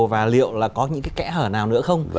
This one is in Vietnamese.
và liệu là có những cái kẽ hở nào nữa không